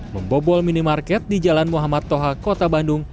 membobol minimarket di jalan muhammad toha kota bandung